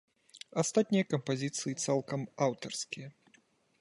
Астатнія кампазіцыі цалкам аўтарскія.